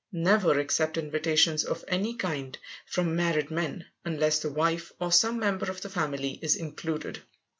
Never accept invitations of any kind from married men, unless the wife or some member of the family is included.